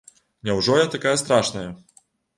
Няўжо я такая страшная?!